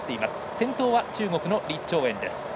先頭は中国の李朝燕です。